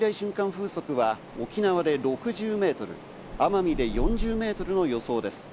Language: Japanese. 風速は沖縄で６０メートル、奄美で４０メートルの予想です。